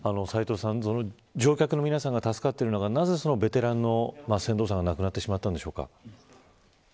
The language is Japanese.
乗客の皆さんが助かっているのになぜ、ベテランの船頭さんが亡くなってしまったんでしょうか。